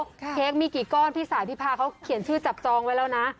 เค้กมีกี่ก้อนพี่สาธิพาเขาเขียนชื่อจับจองไว้แล้วนะ